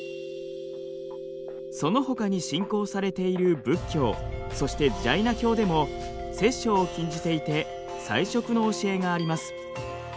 そのほかに信仰されている仏教そしてジャイナ教でも殺生を禁じていて菜食の教えがあります。